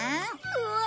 うわ。